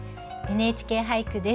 「ＮＨＫ俳句」です。